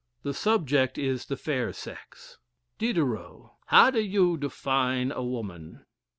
The subject is the fair sex: Diderot. How do you define woman?